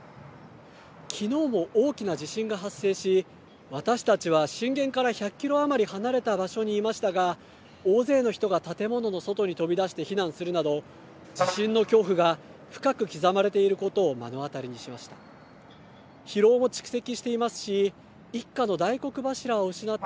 昨日も大きな地震が発生し私たちは震源から１００キロ余り離れた場所にいましたが大勢の人が建物の外に飛び出して避難するなど地震の恐怖が深く刻まれていることを目の当たりにしました。